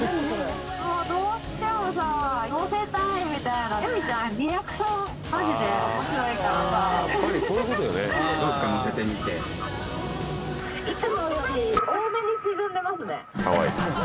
いつもより多めに沈んでますね